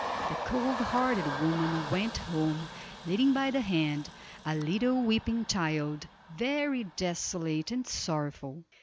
The cold hearted woman went home, leading by the hand a little weeping child, very desolate and sorrowful.